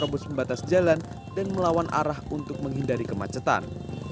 robos membatas jalan dan melawan arah untuk menghindari kemacetan